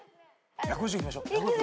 １５０いきましょう。